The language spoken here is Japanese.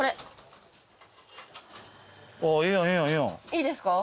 いいですか？